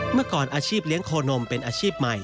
เมื่อก่อนอาชีพเลี้ยงโคนมเป็นอาชีพใหม่